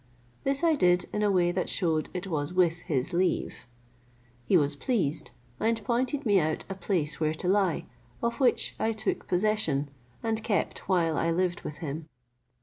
This I did in a way that shewed it was with his leave. He was pleased, and pointed me out a place where to lie, of which I took possession, and kept while I lived with him.